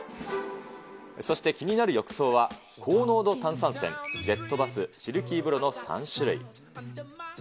そして気になる浴槽は高濃度炭酸泉、ジェットバス、シルキー風呂の３種類。